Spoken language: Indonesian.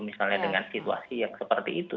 misalnya dengan situasi yang seperti itu